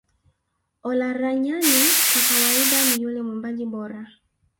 Olaranyani kwa kawaida ni yule mwimbaji bora